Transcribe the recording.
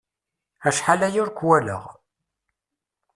Acḥal aya ur k-walaɣ.